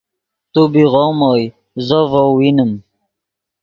تو بی غوم اوئے زو ڤؤ وینیم